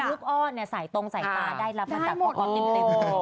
ลูกอ้อนเนี่ยใส่ตรงใส่ตาได้รับมันจากพ่อคลิป